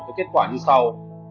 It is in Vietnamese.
với kết quả như sau